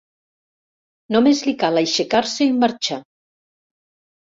Només li cal aixecar-se i marxar.